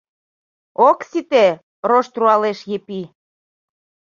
— Ок сите! — рошт руалеш Епи.